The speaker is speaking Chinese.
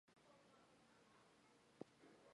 下载期限